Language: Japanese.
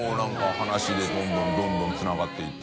話でどんどんつながっていって。